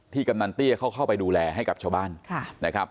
กำนันเตี้ยเขาเข้าไปดูแลให้กับชาวบ้านนะครับ